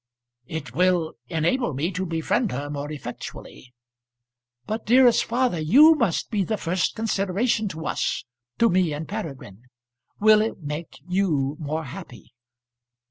"It will enable me to befriend her more effectually." "But, dearest father, you must be the first consideration to us, to me and Peregrine. Will it make you more happy?"